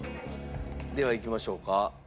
ではいきましょうか。